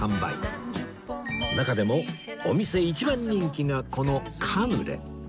中でもお店一番人気がこのカヌレ